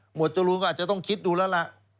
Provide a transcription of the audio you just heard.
จรูนก็อาจจะต้องคิดดูแล้วล่ะ